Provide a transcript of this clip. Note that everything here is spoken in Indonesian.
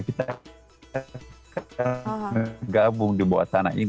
kita akan bergabung di bawah tanah ini